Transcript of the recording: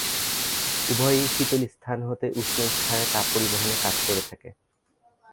উভয়ই শীতল স্থান হতে উষ্ণ স্থানে তাপ পরিবহনে কাজ করে থাকে।